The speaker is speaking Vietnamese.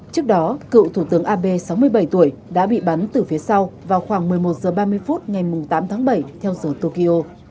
trước đó cựu thủ tướng abe sáu mươi bảy tuổi đã bị bắn từ phía sau vào khoảng một mươi một h ba mươi phút ngày tám tháng bảy theo giờ tokyo